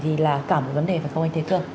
thì là cả một vấn đề phải không anh thế thưa